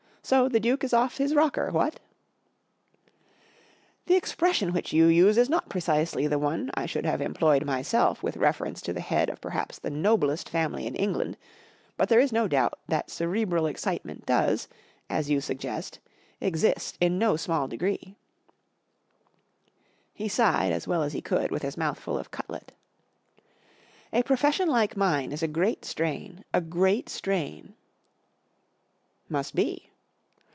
So the Duke is oft hhe rocker, what ?"" The expression which you use is not precisely the one 1 should have employed myself with Irbf^rtnde ^tb the head of perhaps UNIVERSITY OF MICHIGAN Sir Roderick Comes To Lunch 236 the noblest family in England, but there is no doubt that cerebral excitement does, as you suggest, exist in no small degree." He sighed as well as he could with his mouth full of cutlet. 44 A profession like mine is a great strain, a great strain.' 4 Must be."